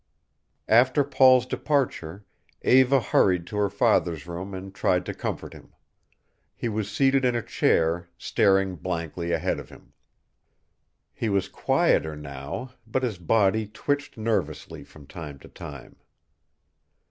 After Paul's departure Eva hurried to her father's room and tried to comfort him. He was seated in a chair, staring blankly ahead of him. He was quieter now, but his body twitched nervously from time to time.